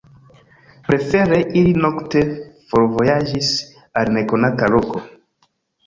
Prefere ili nokte forvojaĝis al nekonata loko.